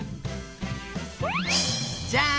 じゃん！